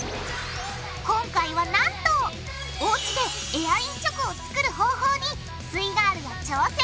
今回はなんとおうちでエアインチョコを作る方法にすイガールが挑戦してくれます！